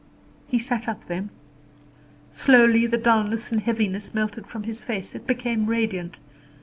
He sat up then. Slowly the dulness and heaviness melted from his face; it became radiant.